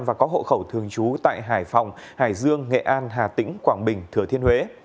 và có hộ khẩu thường trú tại hải phòng hải dương nghệ an hà tĩnh quảng bình thừa thiên huế